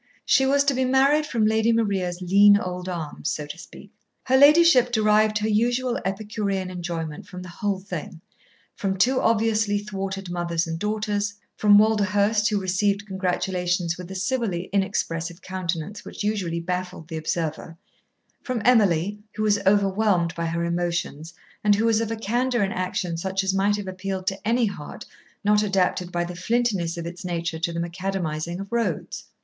She was to be married from Lady Maria's lean old arms, so to speak. Her ladyship derived her usual epicurean enjoyment from the whole thing, from too obviously thwarted mothers and daughters; from Walderhurst, who received congratulations with a civilly inexpressive countenance which usually baffled the observer; from Emily, who was overwhelmed by her emotions, and who was of a candour in action such as might have appealed to any heart not adapted by the flintiness of its nature to the macadamising of roads.